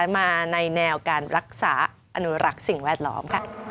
มาในแนวการรักษาอนุรักษ์สิ่งแวดล้อม